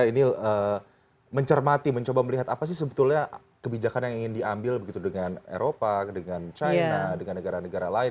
ini mencermati mencoba melihat apa sih sebetulnya kebijakan yang ingin diambil begitu dengan eropa dengan china dengan negara negara lain